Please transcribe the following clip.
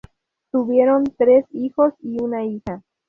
Tuvieron tres hijos y una hija.